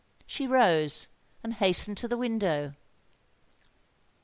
She rose, and hastened to the window.